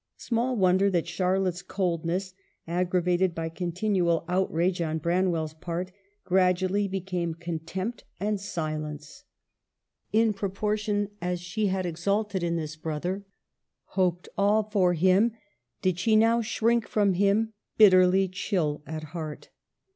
Small wonder that Charlotte's coldness, aggra vated by continual outrage on Branwell's part, gradually became contempt and silence. In pro portion as she had exulted in this brother, hoped BRANWELUS FALL. ^5 all for him, did she now shrink from him, bitterly chill at heart.